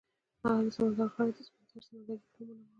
هغه د سمندر غاړه یې د سپین زر سمندرګي په نوم ونوموله.